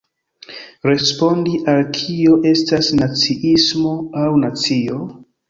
Respondi al "Kio estas naciismo aŭ nacio?